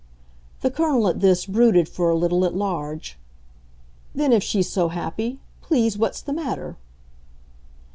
The Colonel at this brooded for a little at large. "Then if she's so happy, please what's the matter?"